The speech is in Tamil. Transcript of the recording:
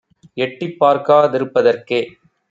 எட்டிப் பார்க்கா திருப்ப தற்கே